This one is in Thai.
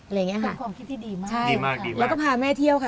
อะไรอย่างนี้ค่ะใช่แล้วก็พาแม่เที่ยวค่ะ